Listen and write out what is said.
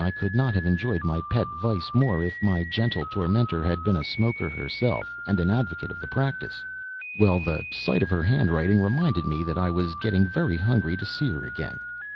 I could not have enjoyed my pet vice more if my gentle tormentor had been a smoker herself, and an advocate of the practice. Well, the sight of her handwriting reminded me that I way getting very hungry to see her again.